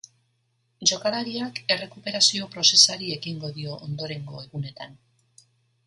Jokalariak errekuperazio prozesari ekingo dio ondorengo egunetan.